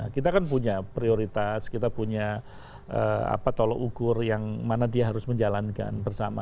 kita kan punya prioritas kita punya tolok ukur yang mana dia harus menjalankan bersama